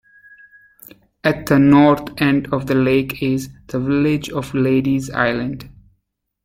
At the north end of the lake is the village of Lady's Island.